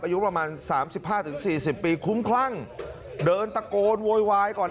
อายุประมาณสามสิบห้าถึงสี่สิบปีคุ้มคลั่งเดินตะโกนโวยวายก่อน